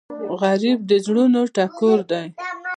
غریب د زړونو ټکور دی